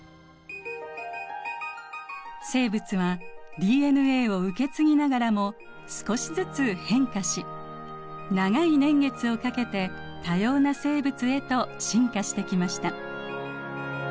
生物はＤＮＡを受け継ぎながらも少しずつ変化し長い年月をかけて多様な生物へと進化してきました。